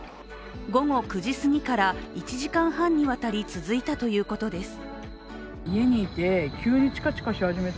午後９時すぎから１時間半にわたり続いたということです。